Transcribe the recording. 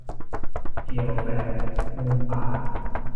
เกี่ยวแฝกมุงป่า